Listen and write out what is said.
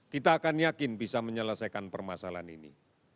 kita akan yakin bisa menyelesaikan permasalahan ini